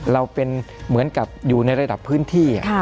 เราเป็นเหมือนกับอยู่ในระดับพื้นที่